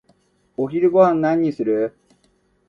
お昼ごはんは何にする？